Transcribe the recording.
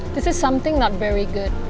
ini sesuatu yang tidak bagus